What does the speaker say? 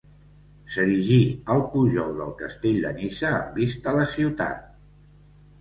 S'erigí al pujol del castell de Niça, amb vista a la ciutat.